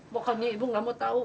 pokoknya ibu gak mau tahu